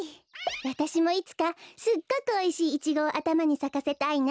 わたしもいつかすっごくおいしいイチゴをあたまにさかせたいな。